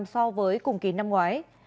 ba bốn so với cùng kỳ năm ngoái